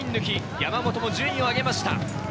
山本も順位を上げました。